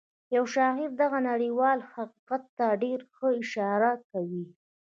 یو شاعر دغه نړیوال حقیقت ته ډېره ښه اشاره کوي